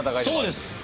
そうです！